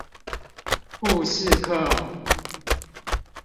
故事課